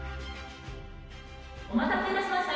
お待たせいたしました。